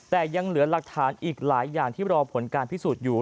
แต่ยังเหลือหลักฐานอีกหลายอย่างที่รอผลการพิสูจน์อยู่